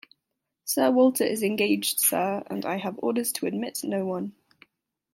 Sir Walter is engaged, sir, and I have orders to admit no one.